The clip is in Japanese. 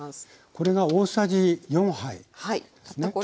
これが大さじ４杯ですね。